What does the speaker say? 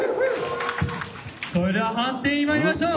それでは判定にまいりましょう！